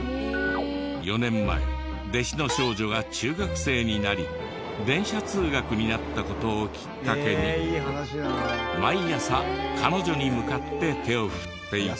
４年前弟子の少女が中学生になり電車通学になった事をきっかけに毎朝彼女に向かって手を振っていた。